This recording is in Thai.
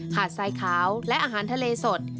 หาดทรายขาวและอาหารทะเลสด